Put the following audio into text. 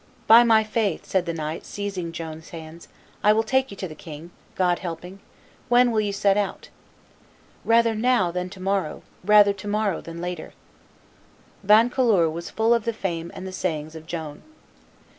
"By my faith," said the knight, seizing Joan's hands, "I will take you to the king, God helping. When will you set out?" "Rather now than to morrow; rather to morrow than later." Vaucouleurs was full of the fame and the sayings of Joan.